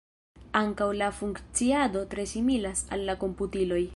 Ankaŭ la funkciado tre similas al la komputiloj.